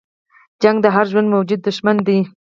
جګړه د هر ژوندي موجود دښمنه ده